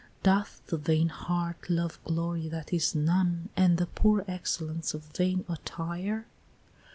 "Doth the vain heart love glory that is none, And the poor excellence of vain attire?